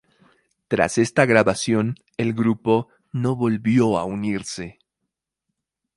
Tras esta grabación el grupo no volvió a unirse.